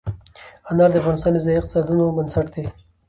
انار د افغانستان د ځایي اقتصادونو بنسټ دی.